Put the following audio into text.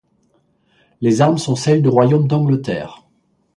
Les armes sont celles du Royaume d'Angleterre.